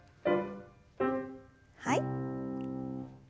はい。